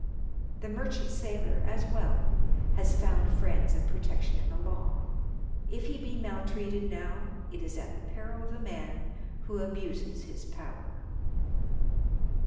The merchant sailor, as well, has found friends and protec tion in the law. If he be maltreated now it is at the peril of the man who abuses his power.